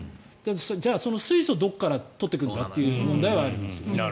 じゃあ、その水素をどこから取ってくるかという問題はありますよね。